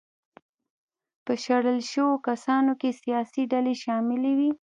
په شړل شویو کسانو کې سیاسي ډلې شاملې وې.